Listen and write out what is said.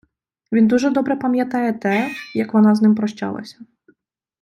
він дуже добре пам'ятає те, як вона з ним попрощалася